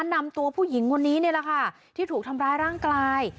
นำตัวผู้หญิงคนนี้นี่แหละค่ะที่ถูกทำร้ายร่างกาย